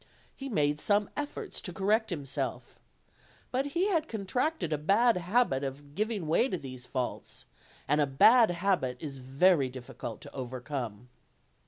He made some efforts to correct himself, but he had contracted a bad habit of giv ing way to these faults; and a bad habit is very difficult to overcome.